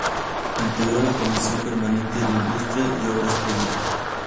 Integró la Comisión permanente de Industria y Obras Públicas.